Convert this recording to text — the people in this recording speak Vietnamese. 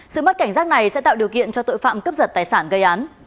sự mất cảnh giác này sẽ tạo điều kiện cho tội phạm cướp giật tài sản gây án